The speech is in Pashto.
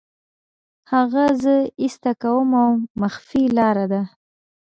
هغه زه ایسته کوم او مخفي لاره ده